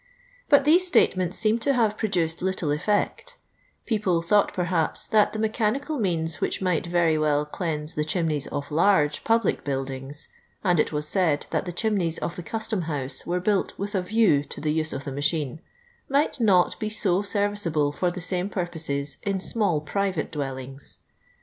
But these statements seem to have produced little effect People thought, perhaps, that the mechani cal means which might rery well cleanse the chimneys of large public buildings — and it was said that the chimneys of the Custom House were built with a view to the use of the machine — might not be so serviceable for the same purposes in small private dwellings.